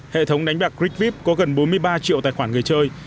hệ thống đánh bạc gritvip có gần bốn mươi ba triệu tài khoản người chơi